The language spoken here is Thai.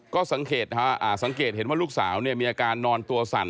ก็สังเกตเห็นว่าลูกสาวมีอาการนอนตัวสั่น